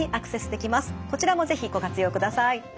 こちらも是非ご活用ください。